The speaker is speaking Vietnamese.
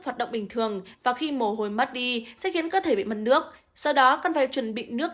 hoạt động bình thường và khi mồ hôi mất đi sẽ khiến cơ thể bị mất nước sau đó cần phải chuẩn bị nước